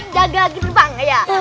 jaga gerbang ya